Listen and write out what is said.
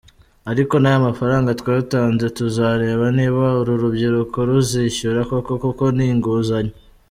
Ariko n’aya mafaranga twatanze tuzareba niba uru rubyiruko ruzishyura koko, kuko ni inguzanyo.